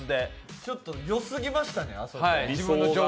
ちょっとあそこはよすぎましたね。